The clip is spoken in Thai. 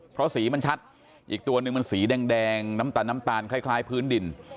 เพราะสีมันชัดอีกตัวหนึ่งมันสีแดงน้ำตาลน้ำตาลคล้ายพื้นดิน